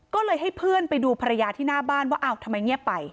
ก็เลยให้เพื่อนไปดูภรรยาที่หน้าบ้านว่าอ้าวทำไมเงียบไป